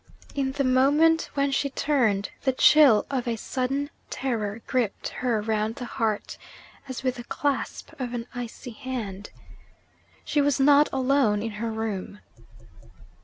In the moment when she turned, the chill of a sudden terror gripped her round the heart, as with the clasp of an icy hand. She was not alone in her room!